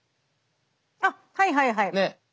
あっはいはいはい。